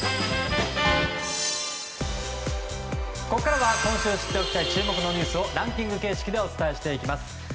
ここからは今週知っておきたい注目のニュースをランキング形式でお伝えしていきます。